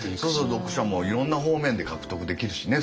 読者もいろんな方面で獲得できるしね